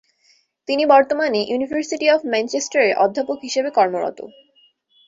তিনি বর্তমানে university of ম্যানচেস্টারে অধ্যাপক হিসেবে কর্মরত।